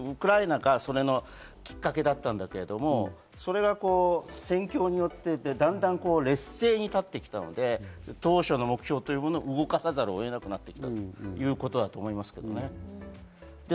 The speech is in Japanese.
これはウクライナがきっかけだったんだけれども、戦況によって劣勢に立ってきたので、当初の目標というものを浮かさざるを得なくなってきたということだと思うんですけどね。